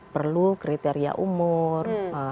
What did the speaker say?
perlu kriteria umur